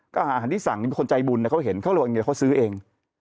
ก็อาหารที่สั่งมีคนใจบุญนะเขาเห็นเขาก็เอาอาหารนี้เขาซื้อเอง